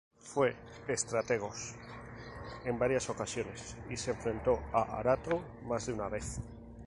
Fue "strategos" en varias ocasiones y se enfrentó a Arato más de una vez.